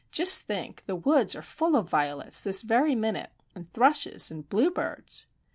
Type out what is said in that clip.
Just think, the woods are full of violets this very minute,—and thrushes, and bluebirds!"